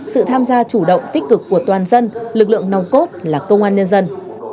sự tham gia chủ động tích cực của toàn dân lực lượng nòng cốt là công an nhân dân